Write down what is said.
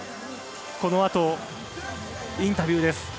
このあとインタビューです。